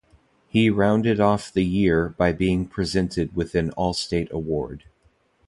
He rounded off the year by being presented with an All-Star award.